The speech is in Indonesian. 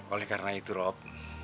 oleh karena itu rob